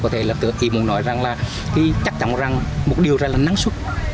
có thể là tựa kỷ mục nói rằng là chắc chắn rằng một điều ra là năng suất